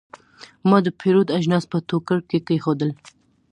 ما د پیرود اجناس په ټوکرۍ کې کېښودل.